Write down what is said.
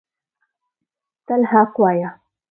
تل حق وایه